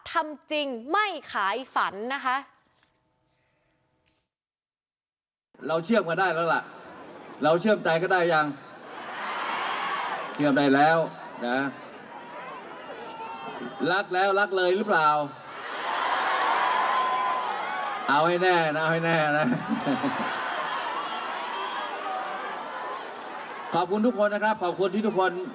ทำจริงไม่ขายฝันนะคะ